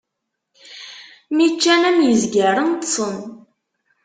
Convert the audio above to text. Mi ččan am yizgaren, ṭṭsen.